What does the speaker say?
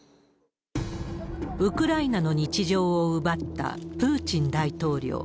ウクライナの日常を奪ったプーチン大統領。